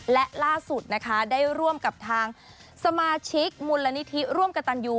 และล่าสุดนะคะได้ร่วมกับทางสมาชิกมูลนิธิร่วมกับตันยู